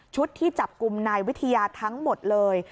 ที่จับกลุ่มนายวิทยาทั้งหมดเลย